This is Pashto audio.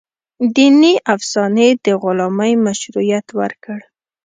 دیني افسانې د غلامۍ مشروعیت ورکړ.